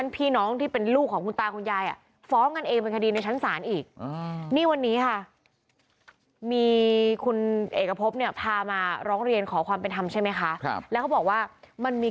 เดินยังไงมันแม่มึงไปไหนฮะแม่มึงล่ะแม่อยู่หลังบ้าน